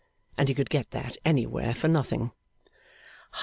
And he could get that anywhere for nothing.